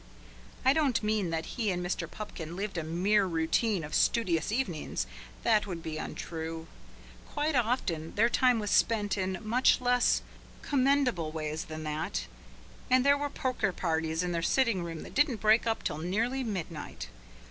I don't mean that he and Mr. Pupkin lived a mere routine of studious evenings. That would be untrue. Quite often their time was spent in much less commendable ways than that, and there were poker parties in their sitting room that didn't break up till nearly midnight.